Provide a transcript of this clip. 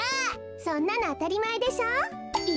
そんなのあたりまえでしょ？え？